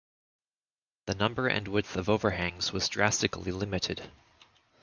The number and width of overhangs was drastically limited.